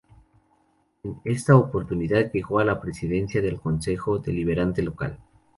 En esta oportunidad llegó a la presidencia del Concejo Deliberante local.